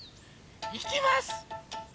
いきます！